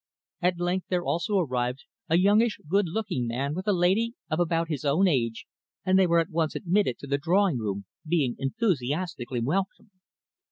At length there also arrived a youngish good looking man with a lady of about his own age, and they were at once admitted to the drawing room, being enthusiastically welcomed.